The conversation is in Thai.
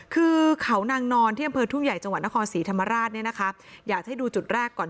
คือเขานางนอนที่อำเภอทุ่งใหญ่จังหวัดนครศรีธรรมราชเนี่ยนะคะอยากให้ดูจุดแรกก่อน